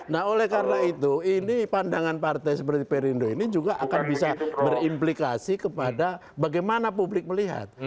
nah oleh karena itu ini pandangan partai seperti perindo ini juga akan bisa berimplikasi kepada bagaimana publik melihat